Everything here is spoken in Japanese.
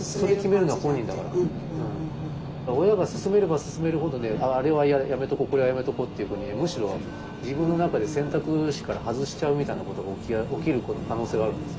親が勧めれば勧めるほどあれはやめとこうこれはやめとこうっていうふうにむしろ自分の中で選択肢から外しちゃうみたいなことが起きる可能性があるんですよね。